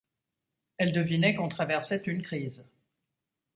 Elle devinait qu’on traversait une crise.